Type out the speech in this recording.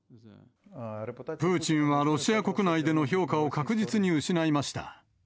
プーチンはロシア国内での評価を確実に失いました。